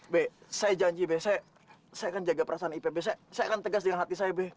be saya janji be saya akan jaga perasaan ipih be saya akan tegas dengan hati saya be